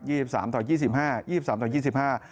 สิบสามต่อยี่สิบห้ายี่สิบสามต่อยี่สิบห้า